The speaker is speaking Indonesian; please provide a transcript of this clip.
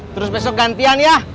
terus besok gantian ya